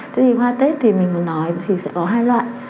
thế thì hoa tết thì mình muốn nói thì sẽ có hai loại